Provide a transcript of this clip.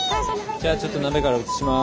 じゃあちょっと鍋から移します。